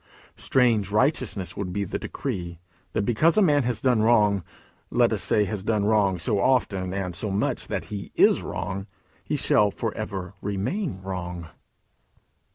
Strange righteousness would be the decree, that because a man has done wrong let us say has done wrong so often and so much that he is wrong he shall for ever remain wrong!